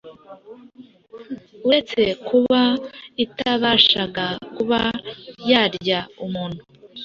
Uretse kuba itabashaga kuba yarya umuntu